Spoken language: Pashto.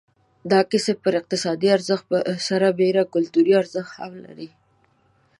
دا کسب پر اقتصادي ارزښت سربېره کلتوري ارزښت هم لري.